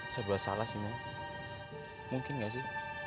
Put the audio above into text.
saya bilang salah sih mimu mungkin gak sih